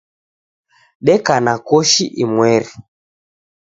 Deka na koshi imweri.